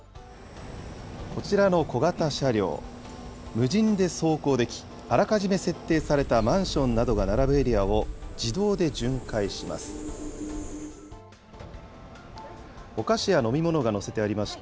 こちらの小型車両、無人で走行でき、あらかじめ設定されたマンションなどが並ぶエリアを自動で巡回します。